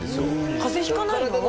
風邪ひかないの？